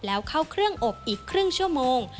แล้วเข้าเครื่องอบอีกครึ่งชั่วโมง